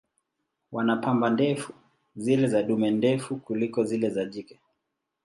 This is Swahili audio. Wana pamba ndefu, zile za dume ndefu kuliko zile za jike.